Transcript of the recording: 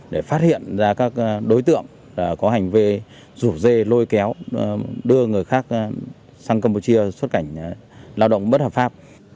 để phát hiện ra các đối tượng có hành vi rủ dê lôi kéo đưa người khác sang campuchia xuất cảnh lao động bất hợp pháp